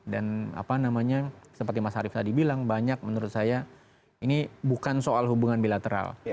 dan seperti mas arief tadi bilang banyak menurut saya ini bukan soal hubungan bilateral